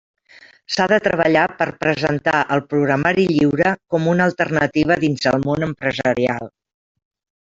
S'ha de treballar per presentar el programari lliure com una alternativa dins el món empresarial.